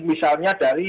misalnya dari ncb